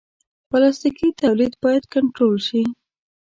پلاستيکي تولید باید کنټرول شي.